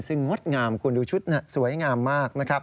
ซึ่งงดงามคุณดูชุดสวยงามมาก